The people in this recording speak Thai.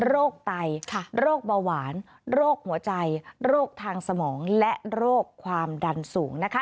ไตโรคเบาหวานโรคหัวใจโรคทางสมองและโรคความดันสูงนะคะ